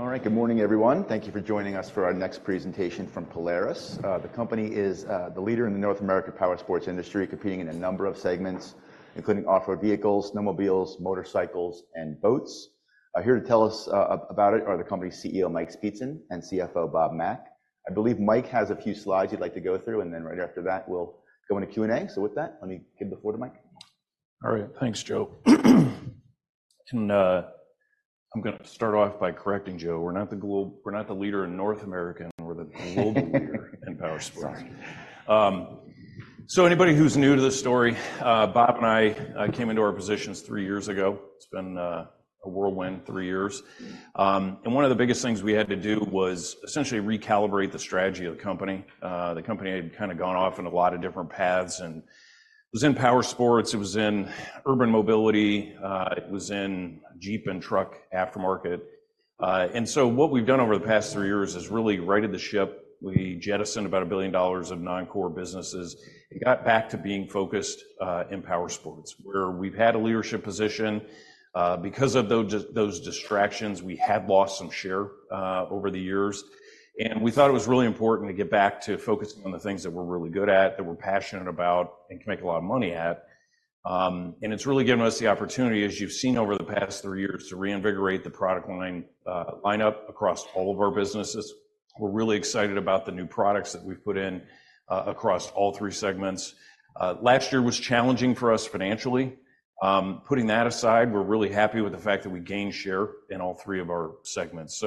All right, good morning everyone. Thank you for joining us for our next presentation from Polaris. The company is the leader in the North American powersports industry, competing in a number of segments, including off-road vehicles, snowmobiles, motorcycles, and boats. Here to tell us about it are the company's CEO, Mike Speetzen, and CFO, Bob Mack. I believe Mike has a few slides he'd like to go through, and then right after that we'll go into Q&A. So with that, let me give the floor to Mike. All right, thanks, Joe. And I'm going to start off by correcting Joe, we're not the leader in North America, we're the global leader in powersports. So anybody who's new to this story, Bob and I came into our positions three years ago. It's been a whirlwind three years. And one of the biggest things we had to do was essentially recalibrate the strategy of the company. The company had kind of gone off in a lot of different paths. And it was in powersports, it was in urban mobility, it was in Jeep and truck aftermarket. And so what we've done over the past three years is really righted the ship. We jettisoned about $1 billion of non-core businesses and got back to being focused in powersports, where we've had a leadership position. Because of those distractions, we had lost some share over the years. We thought it was really important to get back to focusing on the things that we're really good at, that we're passionate about, and can make a lot of money at. It's really given us the opportunity, as you've seen over the past three years, to reinvigorate the product lineup across all of our businesses. We're really excited about the new products that we've put in across all three segments. Last year was challenging for us financially. Putting that aside, we're really happy with the fact that we gained share in all three of our segments.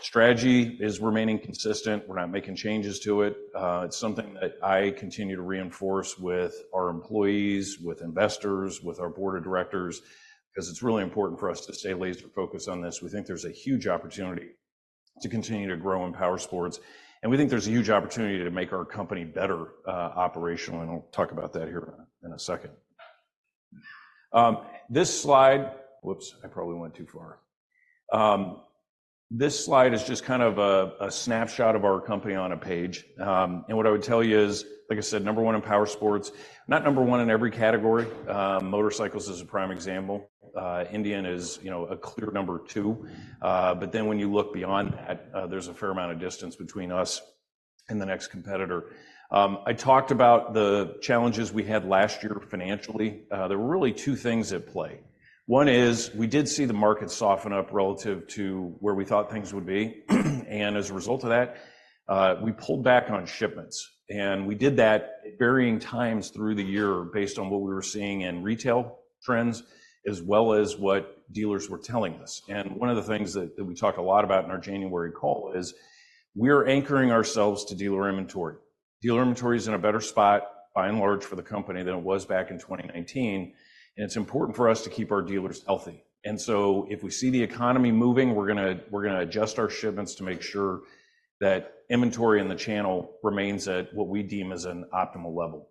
Strategy is remaining consistent. We're not making changes to it. It's something that I continue to reinforce with our employees, with investors, with our board of directors, because it's really important for us to stay laser-focused on this. We think there's a huge opportunity to continue to grow in powersports. We think there's a huge opportunity to make our company better operationally. I'll talk about that here in a second. This slide whoops, I probably went too far. This slide is just kind of a snapshot of our company on a page. What I would tell you is, like I said, number one in powersports, not number one in every category. Motorcycles is a prime example. Indian is a clear number two. But then when you look beyond that, there's a fair amount of distance between us and the next competitor. I talked about the challenges we had last year financially. There were really two things at play. One is we did see the market soften up relative to where we thought things would be. As a result of that, we pulled back on shipments. We did that at varying times through the year based on what we were seeing in retail trends, as well as what dealers were telling us. One of the things that we talk a lot about in our January call is we're anchoring ourselves to dealer inventory. Dealer inventory is in a better spot, by and large, for the company than it was back in 2019. It's important for us to keep our dealers healthy. So if we see the economy moving, we're going to adjust our shipments to make sure that inventory in the channel remains at what we deem as an optimal level.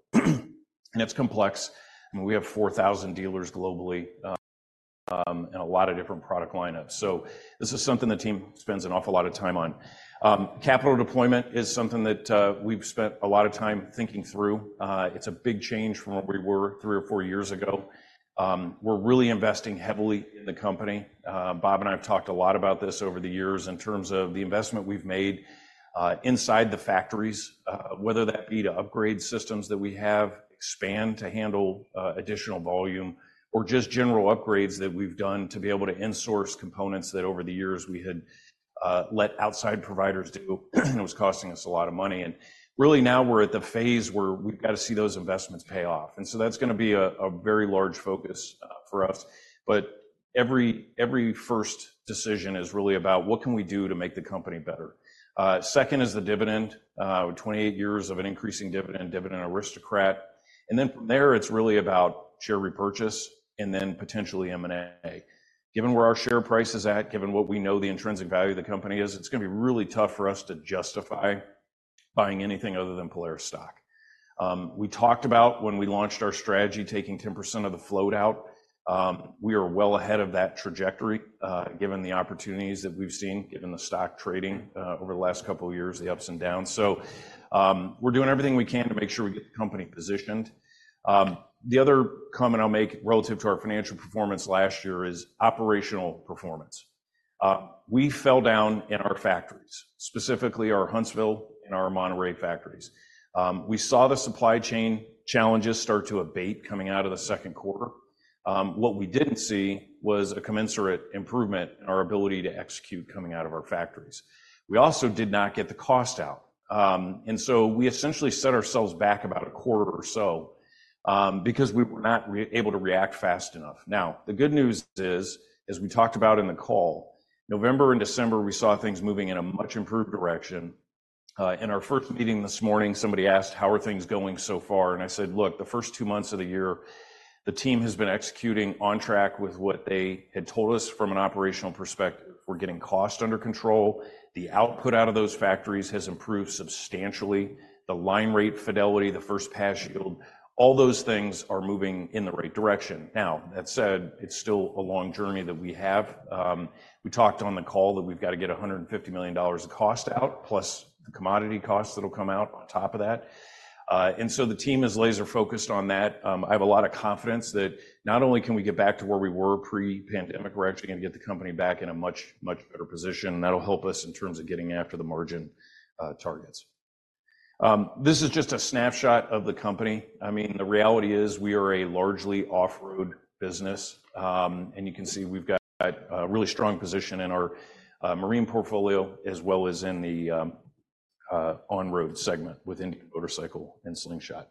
It's complex. I mean, we have 4,000 dealers globally and a lot of different product lineups. This is something the team spends an awful lot of time on. Capital deployment is something that we've spent a lot of time thinking through. It's a big change from where we were three or four years ago. We're really investing heavily in the company. Bob and I have talked a lot about this over the years in terms of the investment we've made inside the factories, whether that be to upgrade systems that we have, expand to handle additional volume, or just general upgrades that we've done to be able to insource components that over the years we had let outside providers do, and it was costing us a lot of money. Really, now we're at the phase where we've got to see those investments pay off. So that's going to be a very large focus for us. But every first decision is really about what can we do to make the company better. Second is the dividend, 28 years of an increasing dividend, Dividend Aristocrat. And then from there, it's really about share repurchase and then potentially M&A. Given where our share price is at, given what we know the intrinsic value of the company is, it's going to be really tough for us to justify buying anything other than Polaris stock. We talked about when we launched our strategy taking 10% of the float out. We are well ahead of that trajectory, given the opportunities that we've seen, given the stock trading over the last couple of years, the ups and downs. So we're doing everything we can to make sure we get the company positioned. The other comment I'll make relative to our financial performance last year is operational performance. We fell down in our factories, specifically our Huntsville and our Monterrey factories. We saw the supply chain challenges start to abate coming out of the second quarter. What we didn't see was a commensurate improvement in our ability to execute coming out of our factories. We also did not get the cost out. And so we essentially set ourselves back about a quarter or so because we were not able to react fast enough. Now, the good news is, as we talked about in the call, November and December, we saw things moving in a much improved direction. In our first meeting this morning, somebody asked, "How are things going so far?" And I said, "Look, the first two months of the year, the team has been executing on track with what they had told us from an operational perspective. We're getting cost under control. The output out of those factories has improved substantially. The line rate fidelity, the first pass yield, all those things are moving in the right direction." Now, that said, it's still a long journey that we have. We talked on the call that we've got to get $150 million of cost out, plus the commodity costs that'll come out on top of that. And so the team is laser-focused on that. I have a lot of confidence that not only can we get back to where we were pre-pandemic, we're actually going to get the company back in a much, much better position. And that'll help us in terms of getting after the margin targets. This is just a snapshot of the company. I mean, the reality is we are a largely off-road business. You can see we've got a really strong position in our marine portfolio, as well as in the on-road segment with Indian Motorcycle and Slingshot.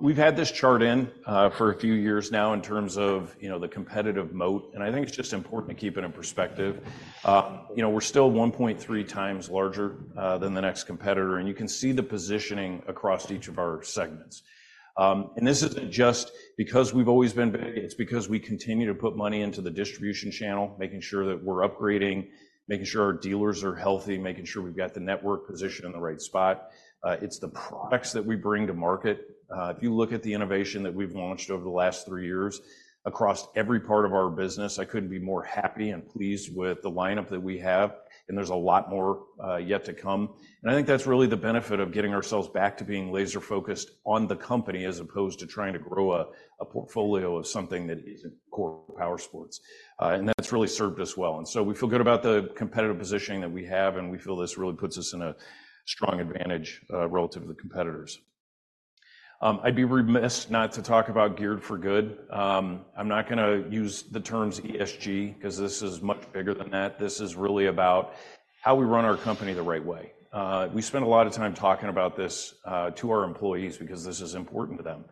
We've had this chart in for a few years now in terms of the competitive moat. I think it's just important to keep it in perspective. We're still 1.3 times larger than the next competitor. You can see the positioning across each of our segments. This isn't just because we've always been big, it's because we continue to put money into the distribution channel, making sure that we're upgrading, making sure our dealers are healthy, making sure we've got the network position in the right spot. It's the products that we bring to market. If you look at the innovation that we've launched over the last three years across every part of our business, I couldn't be more happy and pleased with the lineup that we have. There's a lot more yet to come. I think that's really the benefit of getting ourselves back to being laser-focused on the company, as opposed to trying to grow a portfolio of something that isn't core power sports. That's really served us well. So we feel good about the competitive positioning that we have. We feel this really puts us in a strong advantage relative to the competitors. I'd be remiss not to talk about Geared for Good. I'm not going to use the terms ESG because this is much bigger than that. This is really about how we run our company the right way. We spend a lot of time talking about this to our employees because this is important to them.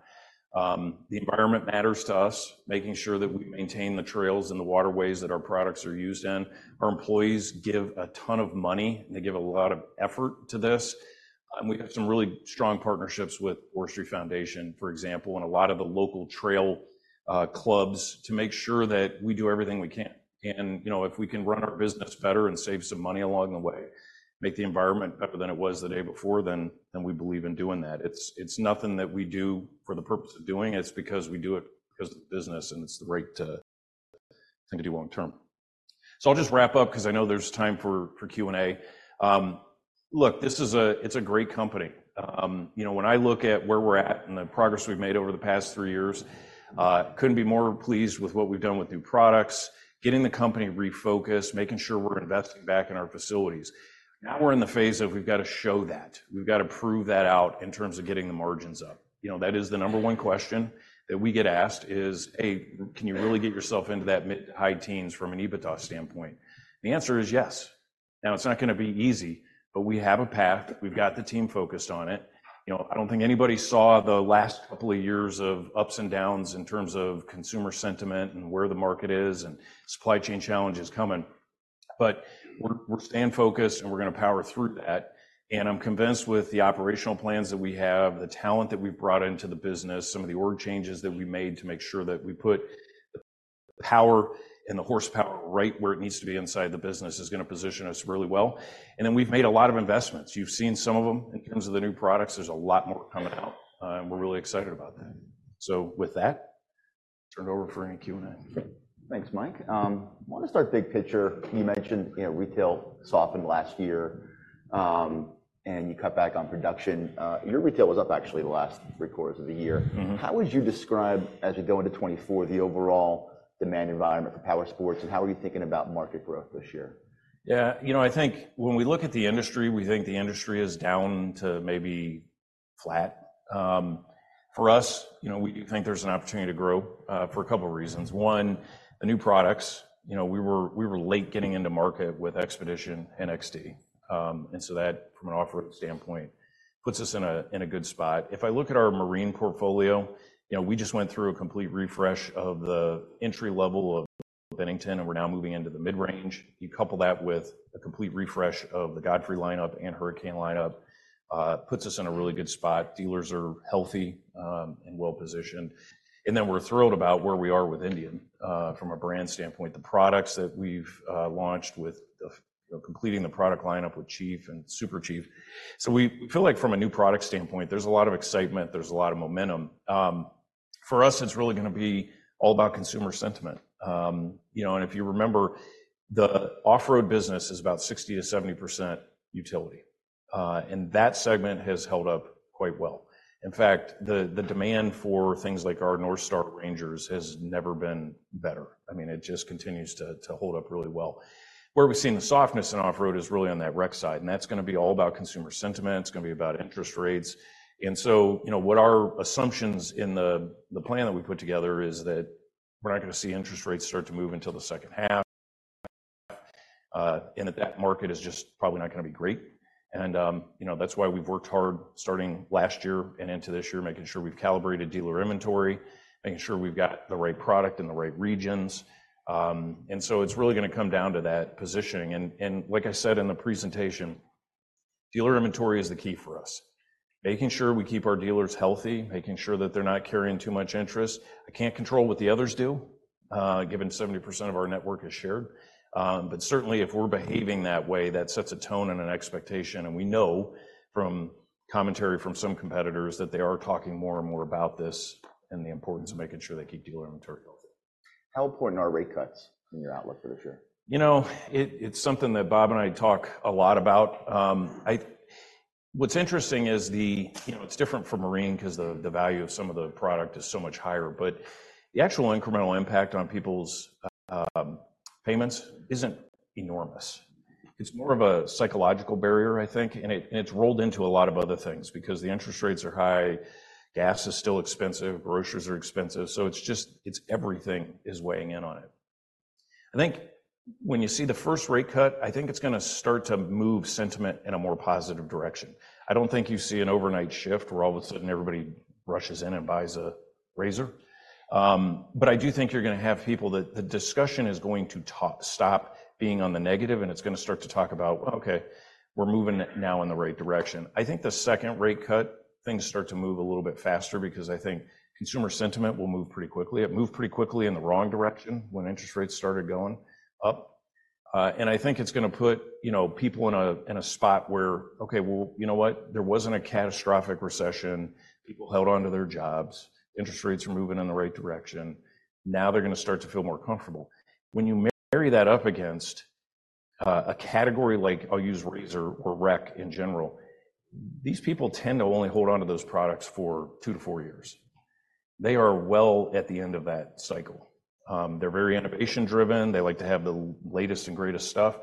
The environment matters to us, making sure that we maintain the trails and the waterways that our products are used in. Our employees give a ton of money. They give a lot of effort to this. And we have some really strong partnerships with Forestry Foundation, for example, and a lot of the local trail clubs to make sure that we do everything we can. And if we can run our business better and save some money along the way, make the environment better than it was the day before, then we believe in doing that. It's nothing that we do for the purpose of doing. It's because we do it because of the business. It's the right thing to do long term. I'll just wrap up because I know there's time for Q&A. Look, it's a great company. When I look at where we're at and the progress we've made over the past three years, I couldn't be more pleased with what we've done with new products, getting the company refocused, making sure we're investing back in our facilities. Now we're in the phase of we've got to show that. We've got to prove that out in terms of getting the margins up. That is the number one question that we get asked is, "Hey, can you really get yourself into that mid to high teens from an EBITDA standpoint?" The answer is yes. Now, it's not going to be easy, but we have a path. We've got the team focused on it. I don't think anybody saw the last couple of years of ups and downs in terms of consumer sentiment and where the market is and supply chain challenges coming. But we're staying focused, and we're going to power through that. And I'm convinced with the operational plans that we have, the talent that we've brought into the business, some of the org changes that we made to make sure that we put the power and the horsepower right where it needs to be inside the business is going to position us really well. And then we've made a lot of investments. You've seen some of them in terms of the new products. There's a lot more coming out. And we're really excited about that. So with that, turn it over for any Q&A. Thanks, Mike. I want to start big picture. You mentioned retail softened last year, and you cut back on production. Your retail was up actually the last three quarters of the year. How would you describe, as we go into 2024, the overall demand environment for power sports? And how are you thinking about market growth this year? Yeah, I think when we look at the industry, we think the industry is down to maybe flat. For us, we think there's an opportunity to grow for a couple of reasons. One, the new products. We were late getting into market with XPEDITION and XD. And so that, from an offering standpoint, puts us in a good spot. If I look at our marine portfolio, we just went through a complete refresh of the entry level of Bennington, and we're now moving into the mid-range. You couple that with a complete refresh of the Godfrey lineup and Hurricane lineup, puts us in a really good spot. Dealers are healthy and well-positioned. And then we're thrilled about where we are with Indian from a brand standpoint, the products that we've launched with completing the product lineup with Chief and Super Chief. So we feel like from a new product standpoint, there's a lot of excitement. There's a lot of momentum. For us, it's really going to be all about consumer sentiment. And if you remember, the off-road business is about 60-70% utility. And that segment has held up quite well. In fact, the demand for things like our RANGER NorthStar has never been better. I mean, it just continues to hold up really well. Where we've seen the softness in off-road is really on that rec side. And that's going to be all about consumer sentiment. It's going to be about interest rates. And so what our assumptions in the plan that we put together is that we're not going to see interest rates start to move until the second half. And that market is just probably not going to be great. And that's why we've worked hard starting last year and into this year, making sure we've calibrated dealer inventory, making sure we've got the right product in the right regions. And so it's really going to come down to that positioning. And like I said in the presentation, dealer inventory is the key for us, making sure we keep our dealers healthy, making sure that they're not carrying too much interest. I can't control what the others do, given 70% of our network is shared. But certainly, if we're behaving that way, that sets a tone and an expectation. And we know from commentary from some competitors that they are talking more and more about this and the importance of making sure they keep dealer inventory healthy. How important are rate cuts in your outlook for this year? It's something that Bob and I talk a lot about. What's interesting is it's different for marine because the value of some of the product is so much higher. But the actual incremental impact on people's payments isn't enormous. It's more of a psychological barrier, I think. And it's rolled into a lot of other things because the interest rates are high, gas is still expensive, groceries are expensive. So it's everything is weighing in on it. I think when you see the first rate cut, I think it's going to start to move sentiment in a more positive direction. I don't think you see an overnight shift where all of a sudden everybody rushes in and buys a RZR. But I do think you're going to have people that the discussion is going to stop being on the negative. It's going to start to talk about, "Okay, we're moving now in the right direction." I think the second rate cut, things start to move a little bit faster because I think consumer sentiment will move pretty quickly. It moved pretty quickly in the wrong direction when interest rates started going up. And I think it's going to put people in a spot where, "Okay, well, you know what? There wasn't a catastrophic recession. People held on to their jobs. Interest rates are moving in the right direction. Now they're going to start to feel more comfortable." When you marry that up against a category like I'll use RZR or rec in general, these people tend to only hold on to those products for two to four years. They are well at the end of that cycle. They're very innovation-driven. They like to have the latest and greatest stuff.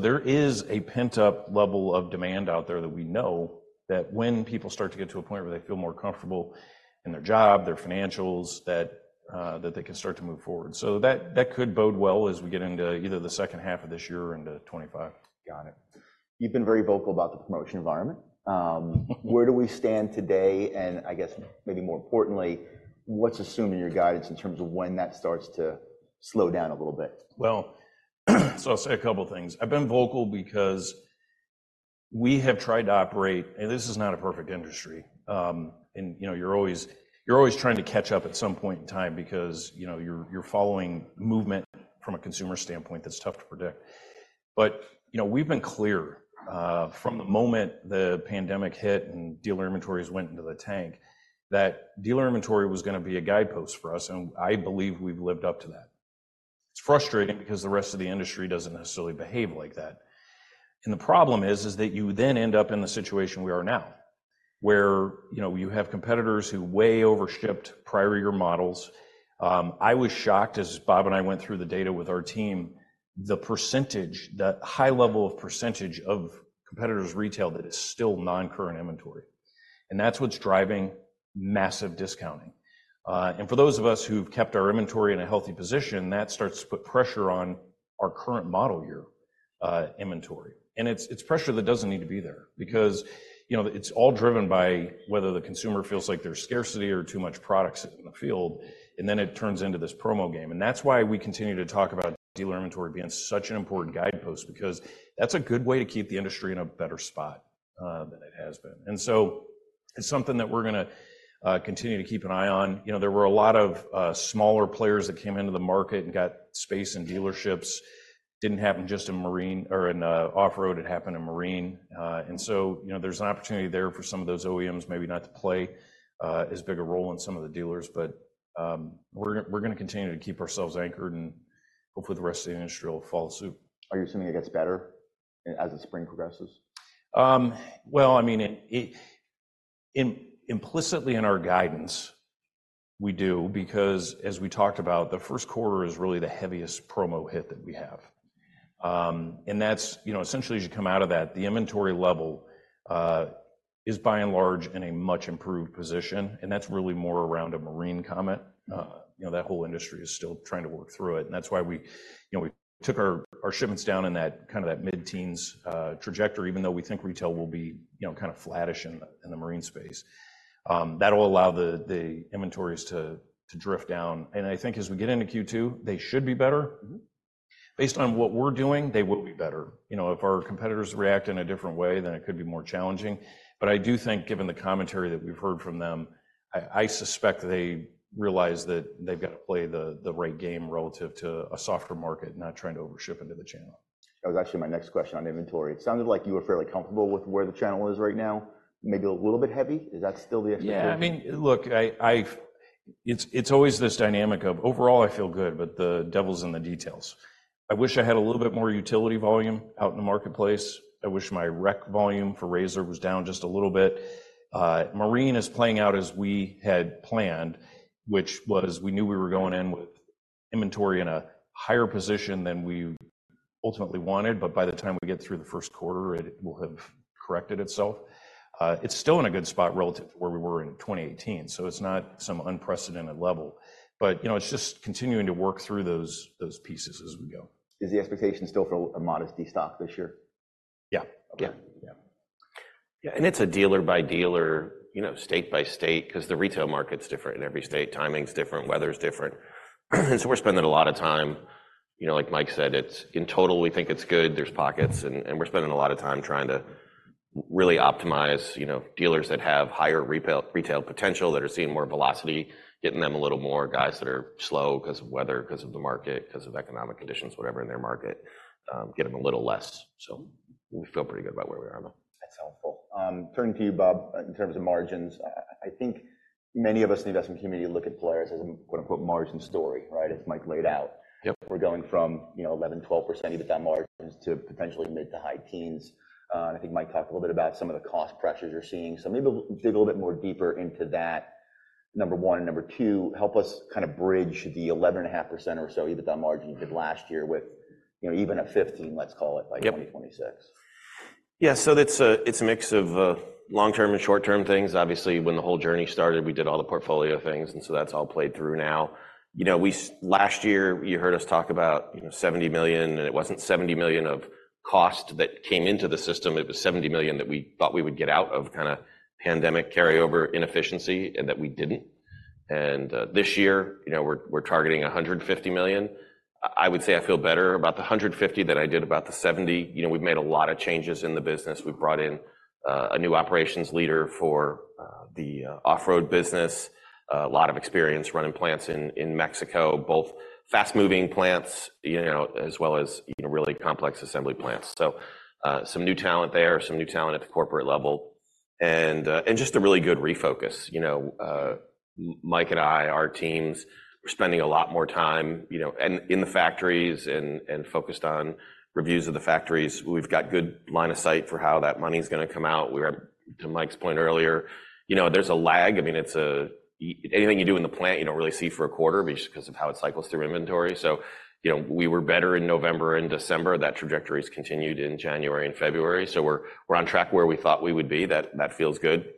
There is a pent-up level of demand out there that we know that when people start to get to a point where they feel more comfortable in their job, their financials, that they can start to move forward. That could bode well as we get into either the second half of this year and 2025. Got it. You've been very vocal about the promotion environment. Where do we stand today? And I guess maybe more importantly, what's assumed in your guidance in terms of when that starts to slow down a little bit? Well, so I'll say a couple of things. I've been vocal because we have tried to operate and this is not a perfect industry. And you're always trying to catch up at some point in time because you're following movement from a consumer standpoint that's tough to predict. But we've been clear from the moment the pandemic hit and dealer inventories went into the tank that dealer inventory was going to be a guidepost for us. And I believe we've lived up to that. It's frustrating because the rest of the industry doesn't necessarily behave like that. And the problem is that you then end up in the situation we are now, where you have competitors who way overshipped prior-year models. I was shocked, as Bob and I went through the data with our team, the high level of percentage of competitors retail that is still non-current inventory. That's what's driving massive discounting. For those of us who've kept our inventory in a healthy position, that starts to put pressure on our current model year inventory. It's pressure that doesn't need to be there because it's all driven by whether the consumer feels like there's scarcity or too much products in the field. Then it turns into this promo game. That's why we continue to talk about dealer inventory being such an important guidepost because that's a good way to keep the industry in a better spot than it has been. So it's something that we're going to continue to keep an eye on. There were a lot of smaller players that came into the market and got space in dealerships. It didn't happen just in marine or in off-road. It happened in marine. There's an opportunity there for some of those OEMs maybe not to play as big a role in some of the dealers. We're going to continue to keep ourselves anchored. Hopefully, the rest of the industry will follow suit. Are you assuming it gets better as the spring progresses? Well, I mean, implicitly in our guidance, we do because, as we talked about, the first quarter is really the heaviest promo hit that we have. Essentially, as you come out of that, the inventory level is, by and large, in a much improved position. And that's really more around the marine segment. That whole industry is still trying to work through it. And that's why we took our shipments down in kind of that mid-teens trajectory, even though we think retail will be kind of flatish in the marine space. That will allow the inventories to drift down. And I think as we get into Q2, they should be better. Based on what we're doing, they will be better. If our competitors react in a different way, then it could be more challenging. But I do think, given the commentary that we've heard from them, I suspect that they realize that they've got to play the right game relative to a softer market, not trying to overship into the channel. That was actually my next question on inventory. It sounded like you were fairly comfortable with where the channel is right now, maybe a little bit heavy. Is that still the expectation? Yeah, I mean, look, it's always this dynamic of overall, I feel good, but the devil's in the details. I wish I had a little bit more utility volume out in the marketplace. I wish my rec volume for RZR was down just a little bit. Marine is playing out as we had planned, which was we knew we were going in with inventory in a higher position than we ultimately wanted. But by the time we get through the first quarter, it will have corrected itself. It's still in a good spot relative to where we were in 2018. So it's not some unprecedented level. But it's just continuing to work through those pieces as we go. Is the expectation still for a modest destock this year? Yeah. Yeah. Yeah. And it's a dealer by dealer, state by state because the retail market's different in every state. Timing's different. Weather's different. And so we're spending a lot of time, like Mike said, in total, we think it's good. There's pockets. And we're spending a lot of time trying to really optimize dealers that have higher retail potential, that are seeing more velocity, getting them a little more, guys that are slow because of weather, because of the market, because of economic conditions, whatever, in their market, get them a little less. So we feel pretty good about where we are now. That's helpful. Turning to you, Bob, in terms of margins, I think many of us in the investment community look at Polaris as a "margin story," right, as Mike laid out. We're going from 11-12% EBITDA margins to potentially mid- to high teens. And I think Mike talked a little bit about some of the cost pressures you're seeing. So maybe dig a little bit more deeper into that, number one. And number two, help us kind of bridge the 11.5% or so EBITDA margin you did last year with even a 15%, let's call it, by 2026. Yeah. So it's a mix of long-term and short-term things. Obviously, when the whole journey started, we did all the portfolio things. And so that's all played through now. Last year, you heard us talk about $70 million. And it wasn't $70 million of cost that came into the system. It was $70 million that we thought we would get out of kind of pandemic carryover inefficiency and that we didn't. And this year, we're targeting $150 million. I would say I feel better about the 150 than I did about the 70. We've made a lot of changes in the business. We've brought in a new operations leader for the off-road business, a lot of experience running plants in Mexico, both fast-moving plants as well as really complex assembly plants. So some new talent there, some new talent at the corporate level, and just a really good refocus. Mike and I, our teams, we're spending a lot more time in the factories and focused on reviews of the factories. We've got a good line of sight for how that money's going to come out. To Mike's point earlier, there's a lag. I mean, anything you do in the plant, you don't really see for a quarter because of how it cycles through inventory. So we were better in November and December. That trajectory has continued in January and February. So we're on track where we thought we would be. That feels good.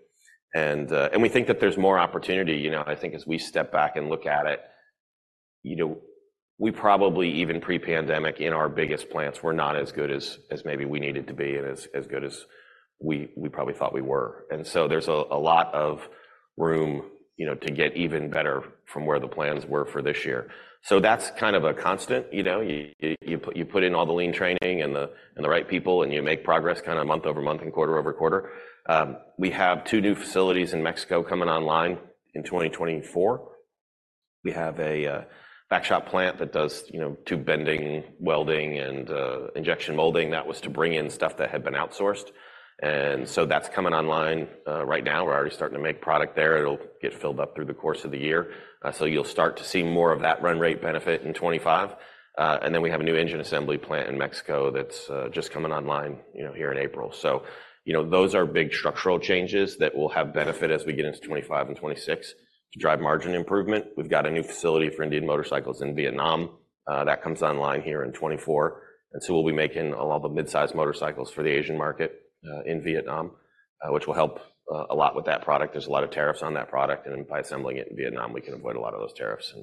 And we think that there's more opportunity. I think as we step back and look at it, we probably even pre-pandemic, in our biggest plants, were not as good as maybe we needed to be and as good as we probably thought we were. So there's a lot of room to get even better from where the plans were for this year. So that's kind of a constant. You put in all the lean training and the right people, and you make progress kind of month-over-month and quarter-over-quarter. We have two new facilities in Mexico coming online in 2024. We have a back shop plant that does tube bending, welding, and injection molding. That was to bring in stuff that had been outsourced. And so that's coming online right now. We're already starting to make product there. It'll get filled up through the course of the year. So you'll start to see more of that run rate benefit in 2025. And then we have a new engine assembly plant in Mexico that's just coming online here in April. So those are big structural changes that will have benefit as we get into 2025 and 2026 to drive margin improvement. We've got a new facility for Indian motorcycles in Vietnam. That comes online here in 2024. And so we'll be making a lot of the midsize motorcycles for the Asian market in Vietnam, which will help a lot with that product. There's a lot of tariffs on that product. And by assembling it in Vietnam, we can avoid a lot of those tariffs.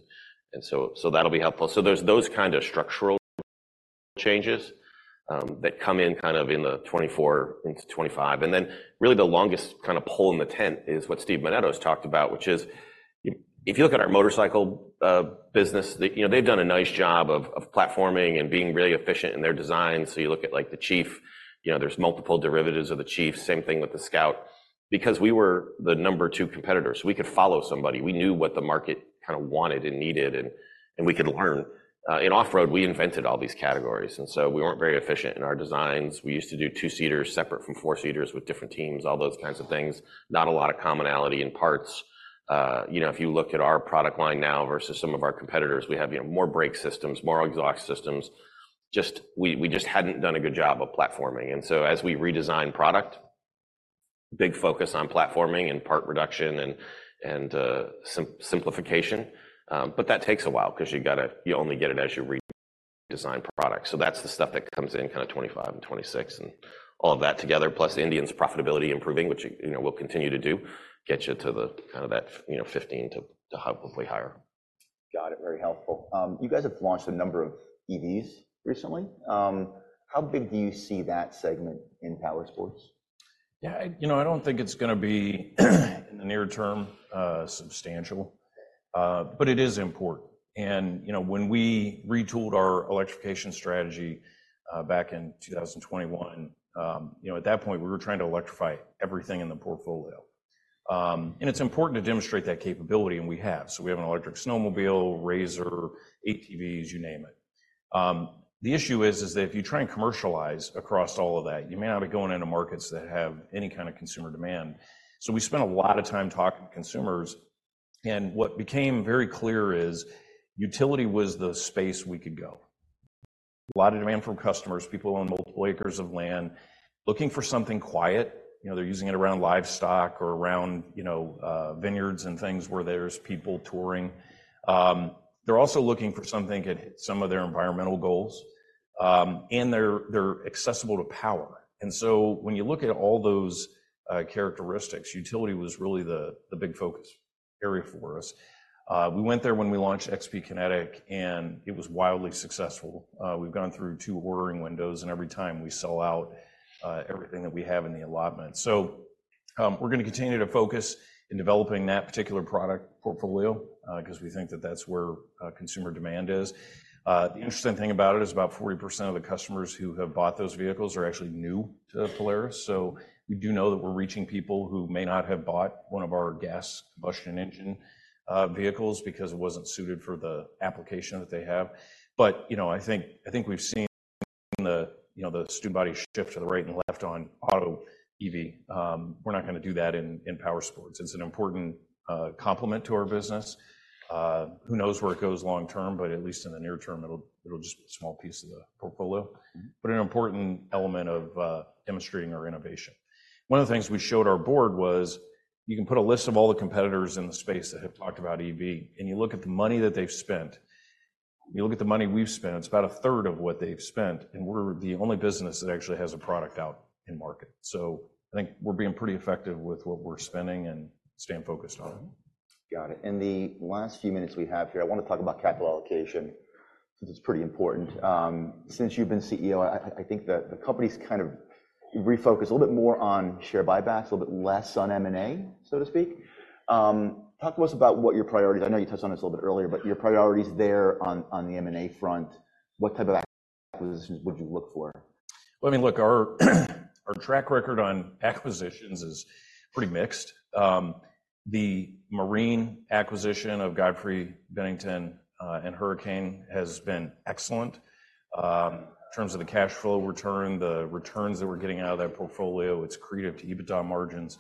And so that'll be helpful. So there's those kind of structural changes that come in kind of in 2024 into 2025. And then really, the longest kind of pull in the tent is what Steve Menneto's talked about, which is if you look at our motorcycle business, they've done a nice job of platforming and being really efficient in their designs. So you look at the Chief, there's multiple derivatives of the Chief. Same thing with the Scout. Because we were the number two competitors, we could follow somebody. We knew what the market kind of wanted and needed. And we could learn. In off-road, we invented all these categories. And so we weren't very efficient in our designs. We used to do two-seaters separate from four-seaters with different teams, all those kinds of things, not a lot of commonality in parts. If you look at our product line now versus some of our competitors, we have more brake systems, more exhaust systems. We just hadn't done a good job of platforming. And so as we redesign product, big focus on platforming and part reduction and simplification. But that takes a while because you only get it as you redesign product. So that's the stuff that comes in kind of 2025 and 2026 and all of that together, plus Indian's profitability improving, which we'll continue to do, get you to kind of that 15 to hopefully higher. Got it. Very helpful. You guys have launched a number of EVs recently. How big do you see that segment in powersports? Yeah. I don't think it's going to be in the near term substantial. But it is important. When we retooled our electrification strategy back in 2021, at that point, we were trying to electrify everything in the portfolio. It's important to demonstrate that capability. We have. We have an electric snowmobile, RZR, ATVs, you name it. The issue is that if you try and commercialize across all of that, you may not be going into markets that have any kind of consumer demand. We spent a lot of time talking to consumers. What became very clear is utility was the space we could go. A lot of demand from customers, people own multiple acres of land looking for something quiet. They're using it around livestock or around vineyards and things where there's people touring. They're also looking for something that hits some of their environmental goals. They're accessible to power. So when you look at all those characteristics, utility was really the big focus area for us. We went there when we launched XP Kinetic. It was wildly successful. We've gone through 2 ordering windows. Every time, we sell out everything that we have in the allotment. So we're going to continue to focus in developing that particular product portfolio because we think that that's where consumer demand is. The interesting thing about it is about 40% of the customers who have bought those vehicles are actually new to Polaris. So we do know that we're reaching people who may not have bought one of our gas combustion engine vehicles because it wasn't suited for the application that they have. But I think we've seen the student body shift to the right and left on auto EV. We're not going to do that in powersports. It's an important complement to our business. Who knows where it goes long-term? But at least in the near term, it'll just be a small piece of the portfolio, but an important element of demonstrating our innovation. One of the things we showed our board was you can put a list of all the competitors in the space that have talked about EV. And you look at the money that they've spent, you look at the money we've spent, it's about a third of what they've spent. And we're the only business that actually has a product out in market. So I think we're being pretty effective with what we're spending and staying focused on it. Got it. In the last few minutes we have here, I want to talk about capital allocation because it's pretty important. Since you've been CEO, I think that the company's kind of refocused a little bit more on share buybacks, a little bit less on M&A, so to speak. Talk to us about what your priorities. I know you touched on this a little bit earlier, but your priorities there on the M&A front, what type of acquisitions would you look for? Well, I mean, look, our track record on acquisitions is pretty mixed. The marine acquisition of Godfrey, Bennington, and Hurricane has been excellent in terms of the cash flow return, the returns that we're getting out of that portfolio, it's accretive to EBITDA margins,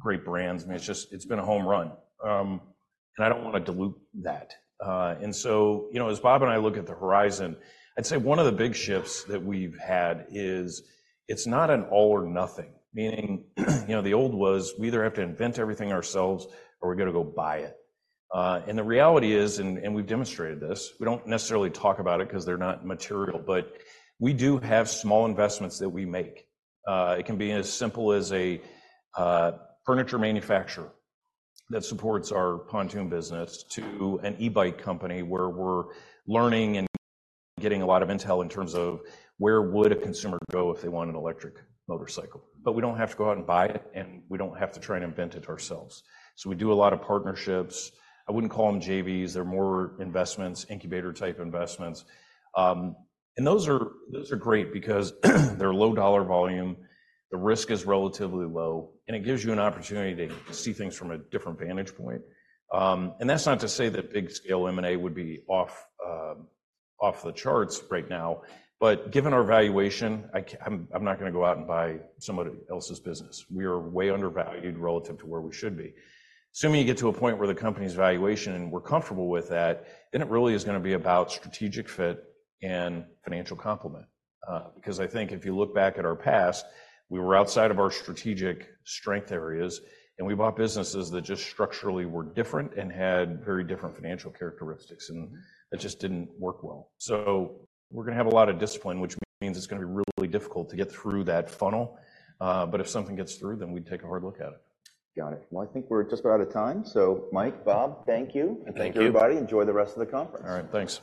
great brands. I mean, it's been a home run. And I don't want to dilute that. And so as Bob and I look at the horizon, I'd say one of the big shifts that we've had is it's not an all or nothing, meaning the old was we either have to invent everything ourselves or we got to go buy it. And the reality is, and we've demonstrated this, we don't necessarily talk about it because they're not material. But we do have small investments that we make. It can be as simple as a furniture manufacturer that supports our pontoon business to an e-bike company where we're learning and getting a lot of intel in terms of where would a consumer go if they want an electric motorcycle? But we don't have to go out and buy it. And we don't have to try and invent it ourselves. So we do a lot of partnerships. I wouldn't call them JVs. They're more investments, incubator-type investments. And those are great because they're low dollar volume. The risk is relatively low. And it gives you an opportunity to see things from a different vantage point. And that's not to say that big-scale M&A would be off the charts right now. But given our valuation, I'm not going to go out and buy somebody else's business. We are way undervalued relative to where we should be. Assuming you get to a point where the company's valuation, and we're comfortable with that, then it really is going to be about strategic fit and financial complement. Because I think if you look back at our past, we were outside of our strategic strength areas. We bought businesses that just structurally were different and had very different financial characteristics. That just didn't work well. We're going to have a lot of discipline, which means it's going to be really difficult to get through that funnel. If something gets through, then we'd take a hard look at it. Got it. Well, I think we're just about out of time. So Mike, Bob, thank you. And thank you, everybody. Enjoy the rest of the conference. All right. Thanks.